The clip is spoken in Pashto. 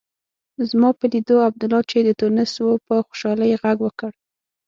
زما په لیدو عبدالله چې د تونس و په خوشالۍ غږ وکړ.